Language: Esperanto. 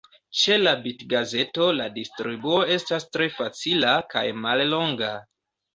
Ĉe la bitgazeto la distribuo estas tre facila kaj mallonga.